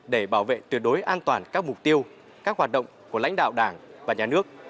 để bảo vệ tuyệt đối an toàn các mục tiêu các hoạt động của lãnh đạo đảng và nhà nước